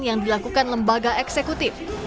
yang dilakukan lembaga eksekutif